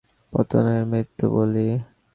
তরঙ্গের উত্থানকে জীবন, আর পতনকে মৃত্যু বলি।